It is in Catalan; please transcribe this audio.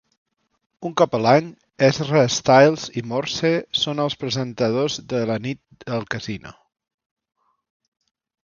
Un cop l'any, Ezra Stiles i Morse són els presentadors de la Nit del Casino.